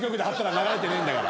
流れてねえんだから。